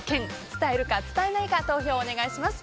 伝えるか伝えないか投票をお願いします。